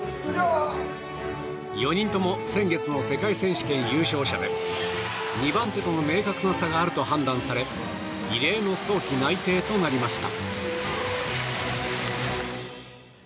４人とも先月の世界選手権優勝者で２番手との明確な差があると判断され異例の早期内定となりました。